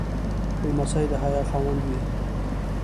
لمسی د حیا خاوند وي.